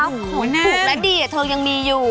ของถูกและดีเธอยังมีอยู่